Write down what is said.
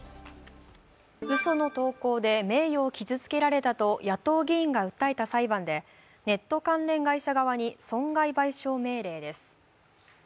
うその投降で名誉を傷つけられたと野党議員が訴えた裁判で、ネット関連会社側に損害賠償命令です。